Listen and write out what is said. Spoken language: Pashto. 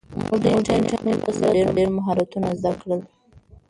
موږ د انټرنیټ په مرسته ډېر مهارتونه زده کړل.